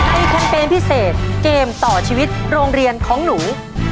แคมเปญพิเศษเกมต่อชีวิตโรงเรียนของหนู